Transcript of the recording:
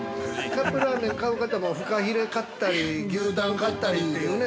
◆カップラーメン買う方もふかひれを買ったり牛タン買ったりというね